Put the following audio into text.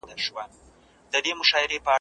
او یو ځل وای په خدایي خلکو منلی ,